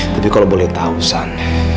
tapi kalau boleh tahu san